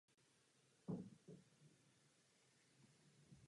Přesné datum historiky nebylo doloženo.